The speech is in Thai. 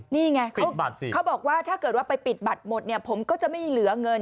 นี่ไงเขาบอกว่าถ้าเกิดว่าไปปิดบัตรหมดเนี่ยผมก็จะไม่เหลือเงิน